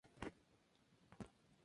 Recibió un Disney Legend.